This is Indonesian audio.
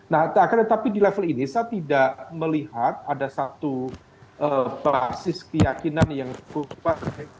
nah akan tetapi di level ini saya tidak melihat ada satu basis keyakinan yang cukup kuat